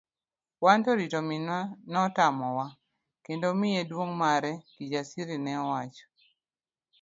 Wanto rito minwa no otamowa kendo miye duong' mare, Kijasiri ne oduoko.